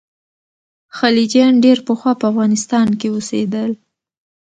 خلجیان ډېر پخوا په افغانستان کې اوسېدل.